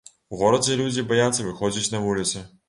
У горадзе людзі баяцца выходзіць на вуліцы.